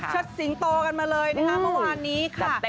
สิงโตกันมาเลยนะคะเมื่อวานนี้ค่ะ